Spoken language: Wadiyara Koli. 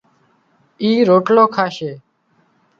اِي روٽلو کاشي